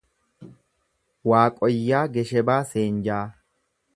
Waaqoyyaa Geshebaa Seenjaa